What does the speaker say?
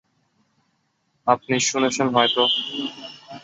আপনি শুনেছেন হয়ত?